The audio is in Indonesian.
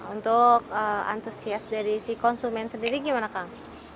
untuk antusias dari si konsumen sendiri gimana kang